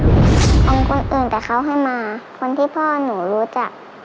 เอาคนอื่นแต่เขาให้มาคนที่พ่อหนูรู้จัก